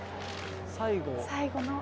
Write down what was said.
最後。